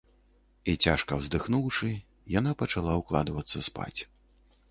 - I, цяжка ўздыхнуўшы, яна пачала ўкладвацца спаць.